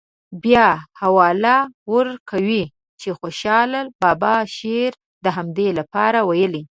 بیا حواله ورکوي چې خوشحال بابا شعر د همدې لپاره ویلی.